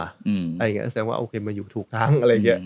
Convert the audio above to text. ตรงนั้นคือแบบเอยซึ่งว่าว่าโอเคมันอยุงทุกครั้ง